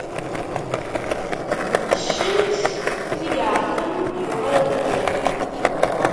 Qeccen-t mi iεeṭṭel ur d-yuɣal deg yiḍ.